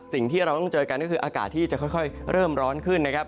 สิ่งที่เราต้องเจอกันก็คืออากาศที่จะค่อยเริ่มร้อนขึ้นนะครับ